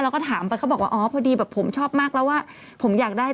เราก็ถามไปเขาบอกว่าอ๋อพอดีแบบผมชอบมากแล้วว่าผมอยากได้